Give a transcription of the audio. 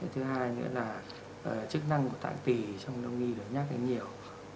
thứ hai nữa là chức năng của tạng tỷ trong đông y được nhắc đến nhiều